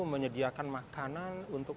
menyediakan makanan untuk